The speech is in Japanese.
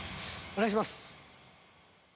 お願いします！